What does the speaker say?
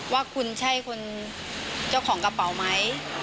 ว่าคุณใช่คนเจ้าของกระเป๋าไหม